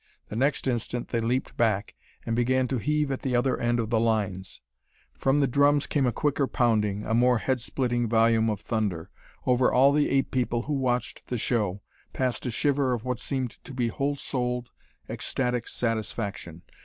The next instant they leaped back, and began to heave at the other end of the lines. From the drums came a quicker pounding, a more head splitting volume of thunder. Over all the ape people who watched the show, passed a shiver of what seemed to be whole souled, ecstatic satisfaction.